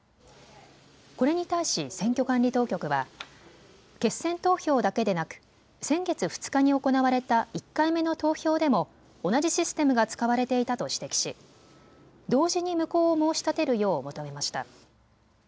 これに対し選挙管理当局は決選投票だけでなく先月２日に行われた１回目の投票でも同じシステムが使われていたと指摘し、同時に無効を申し立てるよう求めました。